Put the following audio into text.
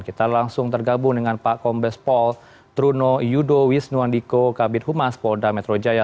kita langsung tergabung dengan pak kombes pol truno yudo wisnuandiko kabit humas polda metro jaya